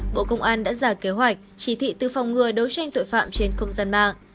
bộ công an đã giả kế hoạch chỉ thị từ phòng ngừa đấu tranh tội phạm trên không gian mạng